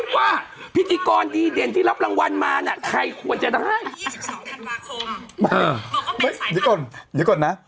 ใยเฮทในสิ่งที่เชื่ออย่าเชื่อในสิ่งที่เห็นว่าจะหุด